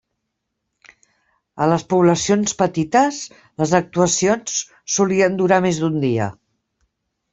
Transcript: A les poblacions petites, les actuacions solien durar més d'un dia.